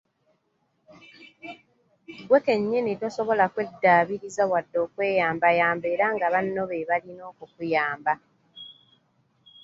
Ggwe kennyini tosobola kweddaabiriza wadde okweyambayamba era nga banno beebalina okukuyamba.